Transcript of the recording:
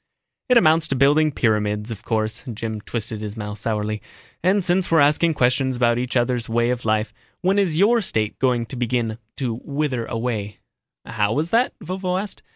"It amounts to building pyramids, of course." Jim twisted his mouth sourly. "And since we're asking questions about each other's way of life, when is your State going to begin to wither away?" "How was that?" Vovo asked.